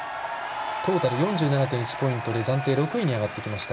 トータル４７．１ポイントで暫定６位に上がってきました。